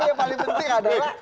yang paling penting adalah